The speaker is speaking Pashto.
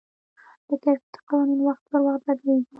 د کرکټ قوانين وخت پر وخت بدليږي.